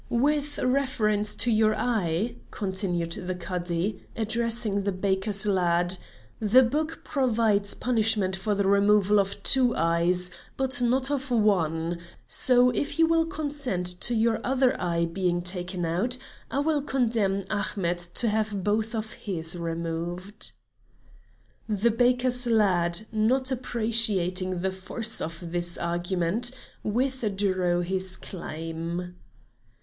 "With reference to your eye," continued the Cadi, addressing the baker's lad, "the book provides punishment for the removal of two eyes, but not of one, so if you will consent to your other eye being taken out, I will condemn Ahmet to have both of his removed." The baker's lad, not appreciating the force of this argument, withdrew his claim.